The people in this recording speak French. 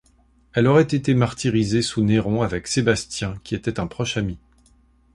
Elle aurait été martyrisée sous Néron avec Sébastien qui était un proche ami.